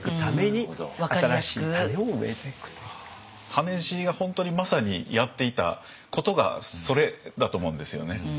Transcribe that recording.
羽地が本当にまさにやっていたことがそれだと思うんですよね。